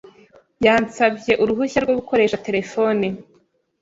Yansabye uruhushya rwo gukoresha terefone.